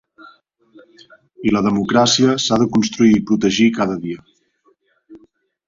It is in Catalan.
I la democràcia s’ha de construir i protegir cada dia.